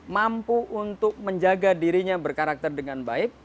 mampu untuk menjaga dirinya berkarakter dengan baik